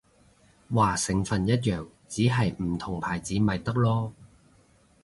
話成分一樣，只係唔同牌子咪得囉